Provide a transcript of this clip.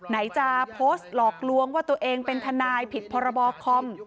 ไหนจะโพสต์หลอกลวงว่าตัวเองเป็นทนายผิดพรบคอม